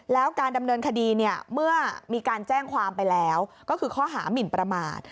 แล้วการดำเนินคดีเนี่ยเมื่อมีการแจ้งความไปแล้วก็คือข้อหามินประมาท